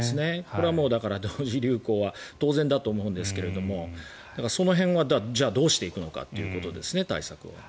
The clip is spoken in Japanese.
これは同時流行は当然だと思うんですが、その辺はじゃあどうしていくのかということですね、対策を。